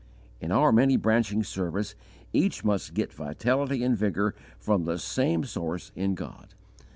In our many branching service each must get vitality and vigour from the same source in God.